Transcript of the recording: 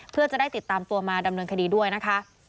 เพื่อจะได้ติดตามตัวมาดำเนินคดีด้วยนะคะ